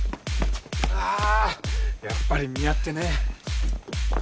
あやっぱり見合ってねえ。